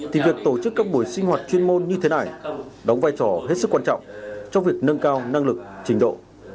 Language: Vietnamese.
thì việc tổ chức các buổi sinh hoạt chuyên môn như thế này đóng vai trò hết sức quan trọng trong việc nâng cao năng lực trình độ